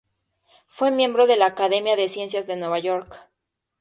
Fue miembro de la Academia de Ciencias de Nueva York.